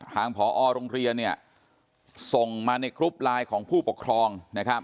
ทางผอโรงเรียนส่งมาในกรุ๊ปไลน์ของผู้ปกครอง